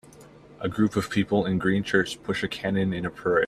A group of people in green shirts push a cannon in a parade.